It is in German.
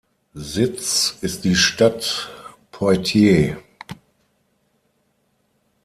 Sitz ist die Stadt Poitiers.